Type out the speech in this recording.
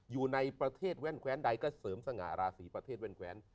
อยู่ในประเทศแว่นแว้นใดก็เสริมสง่าราศีประเทศแว่นแว้น